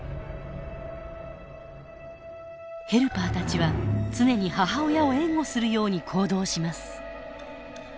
ヘルパーたちは常に母親を援護するように行動します。